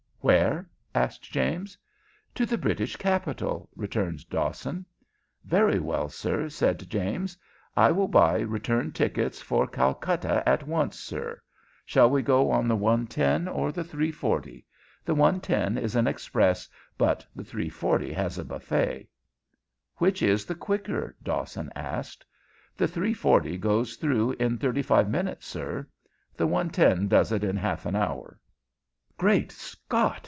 "Where?" asked James. "To the British capital," returned Dawson. "Very well, sir," said James. "I will buy return tickets for Calcutta at once, sir. Shall we go on the 1.10 or the 3.40? The 1.10 is an express, but the 3.40 has a buffet." "Which is the quicker?" Dawson asked. "The 3.40 goes through in thirty five minutes, sir. The 1.10 does it in half an hour." "Great Scott!"